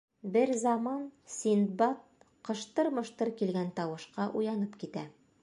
Бер заман Синдбад ҡыштыр-мыштыр килгән тауышҡа уянып китә.